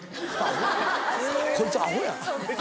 こいつアホや。